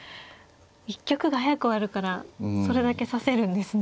一局が速く終わるからそれだけ指せるんですね。